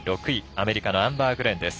アメリカのアンバー・グレンです。